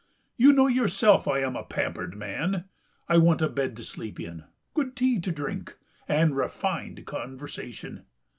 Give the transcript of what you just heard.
You know yourself I am a pampered man.... I want a bed to sleep in, good tea to drink, and refined conversation....